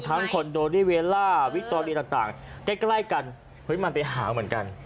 คอนโดรีเวลล่าวิคโตเรียต่างใกล้กันเฮ้ยมันไปหาเหมือนกัน